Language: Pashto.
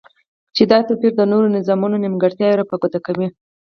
چی دا توپیر د نورو نظامونو نیمګرتیاوی را په ګوته کوی